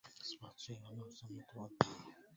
أصبحت شيخا له سمت وأبهة